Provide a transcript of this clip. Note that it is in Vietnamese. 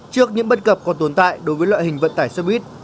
trước những bất cập còn tồn tại đối với loại hình vận tải xe buýt